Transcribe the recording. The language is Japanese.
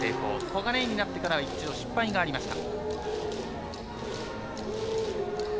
小金井になってからは一度、失敗がありました。